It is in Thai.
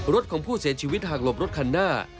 รถของผู้เสียชีวิตหากหลบรถคันหน้า